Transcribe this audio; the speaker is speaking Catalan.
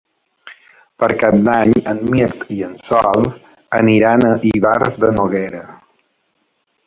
Per Cap d'Any en Mirt i en Sol aniran a Ivars de Noguera.